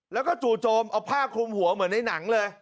แล้วก็จู่โจมเอาผ้าคลุมหัวเหมือนในหนังเลย